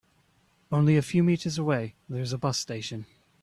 Only a few meters away there is a bus station.